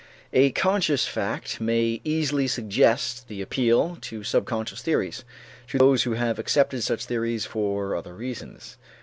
A conscious fact may easily suggest the appeal to subconscious theories to those who have accepted such theories for other reasons.